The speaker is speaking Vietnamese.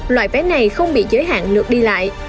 loại vé này không bị giới hạn được đi lại